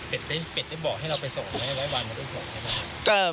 เป็ดได้บอกให้เราไปส่งไหมบ้านมันได้ส่งไหม